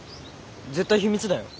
絶対秘密だよ。